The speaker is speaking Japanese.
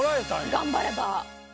頑張れば。